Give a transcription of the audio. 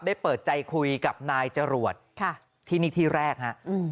ได้เปิดใจคุยกับนายจรวจค่ะที่นี่ที่แรกฮะอืม